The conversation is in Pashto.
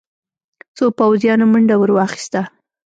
څو پوځيانو منډه ور واخيسته.